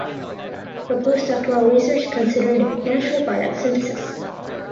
Her postdoctoral research considered natural product synthesis.